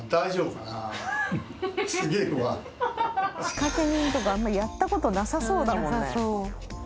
仕掛け人とかあんまりやった事なさそうだもんね。